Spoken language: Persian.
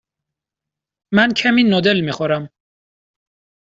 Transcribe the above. من کمی نودل می خورم.